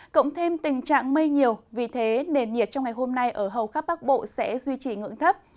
cộng thêm tình trạng mây nhiều vì thế nền nhiệt trong ngày hôm nay ở hầu khắp bắc bộ sẽ duy trì ngưỡng thấp